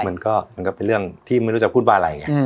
มันก็เป็นเรื่องที่ไม่รู้จะพูดว่าอะไรไง